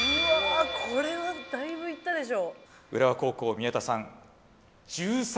これはだいぶいったでしょ。